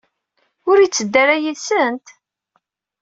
Ur yetteddu ara yid-sent?